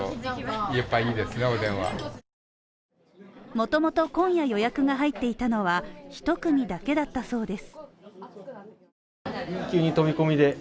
もともと今夜予約が入っていたのは一組だけだったそうです。